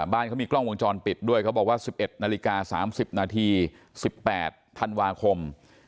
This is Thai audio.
บ้านเขามีกล้องวงจรปิดด้วยเขาบอกว่า๑๑นาฬิกา๓๐นาที๑๘ธันวาคม